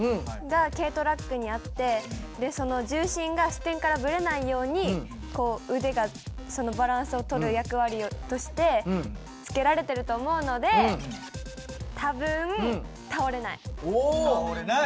その重心が支点からぶれないようにこう腕がバランスを取る役割として付けられてると思うので多分倒れない？